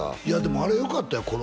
いやでもあれよかったよ